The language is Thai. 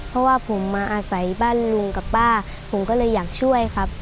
เพราะว่าผมมาอาศัยบ้านลุงกับป้าผมก็เลยอยากช่วยครับ